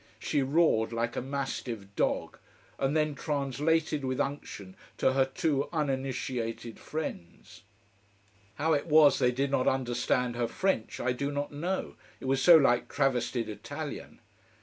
She roared like a mastiff dog: and then translated with unction to her two uninitiated friends. How it was they did not understand her French I do not know, it was so like travestied Italian.